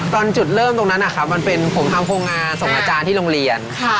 ตอนจุดเริ่มตรงนั้นนะครับมันเป็นผมทำโครงงานส่งอาจารย์ที่โรงเรียน